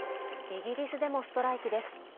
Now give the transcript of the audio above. イギリスでもストライキです。